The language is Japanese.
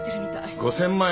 ５０００万円？